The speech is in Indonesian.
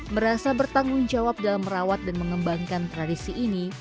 merasa bertanggung jawab dalam merawat dan mengembangkan tradisi ini